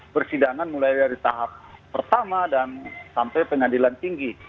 persidangan mulai dari tahap pertama dan sampai pengadilan tinggi